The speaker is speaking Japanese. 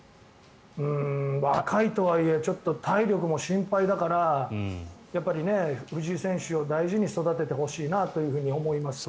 若いとはいえちょっと体力も心配だから藤井選手を大事に育てててほしいなと思います。